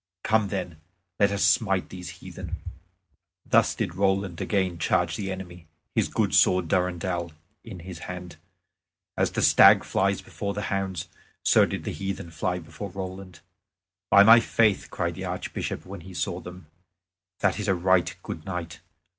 Come then, let us smite these heathen." Thus did Roland again charge the enemy, his good sword Durendal in his hand; as the stag flies before the hounds, so did the heathen fly before Roland. "By my faith," cried the Archbishop when he saw him, "that is a right good knight!